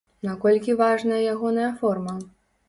Наколькі важная ягоная форма?